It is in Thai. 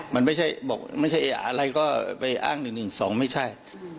มันไม่ใช่อะไรก็ไปอ้าง๑๑๒ไม่ใช่